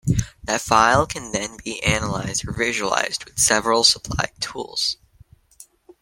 That file can then be analyzed or visualized with several supplied tools.